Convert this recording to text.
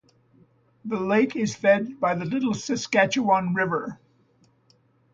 The lake is fed by the Little Saskatchewan River.